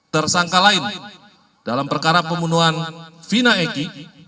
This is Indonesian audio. tersangka lain dalam perkara pembunuhan vina eki